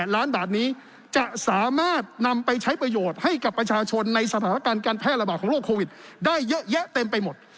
ล้านบาทนี้จะสามารถนำไปใช้ประโยชน์ให้กับประชาชนในสถานการณ์การแพร่ระบาดของโรคโควิดได้เยอะแยะเต็มไปหมด